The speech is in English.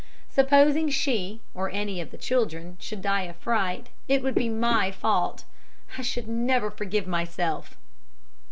Supposing she, or any of the children, should die of fright, it would be my fault. I should never forgive myself.